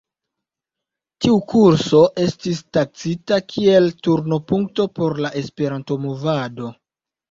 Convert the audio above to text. Tiu kurso estis taksita kiel turno-punkto por la Esperanto-movado.